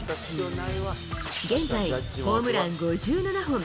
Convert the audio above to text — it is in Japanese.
現在、ホームラン５７本。